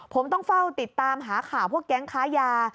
ผมต้องเฝ้าติดตามหาข่าวพวกแก๊งค้ายา